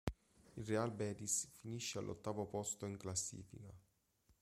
Il Real Betis finisce al ottavo posto in classifica.